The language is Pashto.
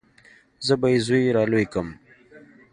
زه به مې زوى رالوى کم.